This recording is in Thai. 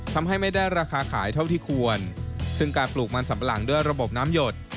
ทำให้ไม่ได้ราคาขายเท่าที่ควรซึ่งการปลูกมันสัมปะหลังด้วยระบบน้ำหยด